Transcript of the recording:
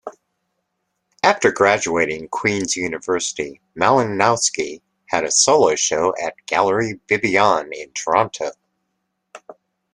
After graduating Queen's University, Malinowski had a solo show at Gallery Bibbiane in Toronto.